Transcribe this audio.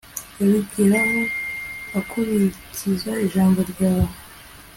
yabigeraho akurikiza ijambo ryawe